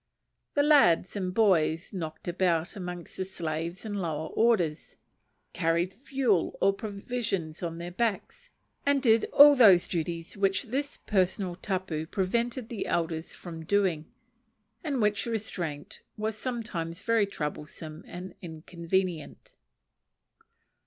The lads and boys "knocked about" amongst the slaves and lower orders, carried fuel or provisions on their backs, and did all those duties which this personal tapu prevented the elders from doing; and which restraint was sometimes very troublesome and inconvenient.